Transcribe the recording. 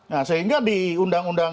nah sehingga di undang undang